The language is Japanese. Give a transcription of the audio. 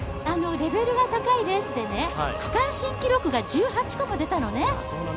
レベルが高いレースで区間新記録が１８個も出たのね。